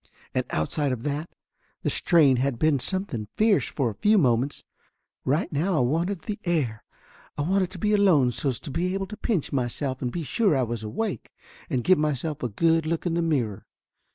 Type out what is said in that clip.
And outside of that, the strain had been something fierce for a few moments. Right now I wanted the air, I wanted to be alone so's to be able to pinch myself and be sure I was awake, and give myself a good look in the mirror.